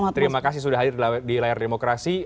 terima kasih sudah hadir di layar demokrasi